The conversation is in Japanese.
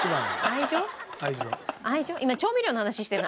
今調味料の話してるの。